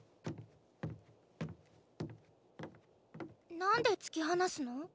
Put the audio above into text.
なんで突き放すの？